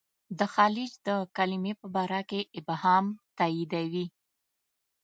د خلج د کلمې په باره کې ابهام تاییدوي.